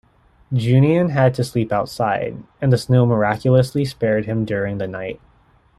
Junian had to sleep outside, and the snow miraculously spared him during the night.